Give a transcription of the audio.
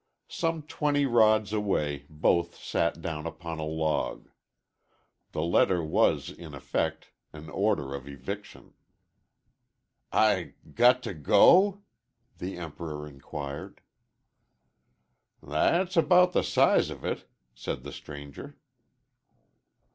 Some twenty rods away both sat down upon a log. The letter was, in effect, an order of eviction. "I got t' g go?" the Emperor inquired. "That's about the size of it," said the stranger.